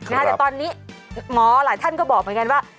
แต่ตอนนี้หมอหลายท่านก็บอกเหมือนกันว่า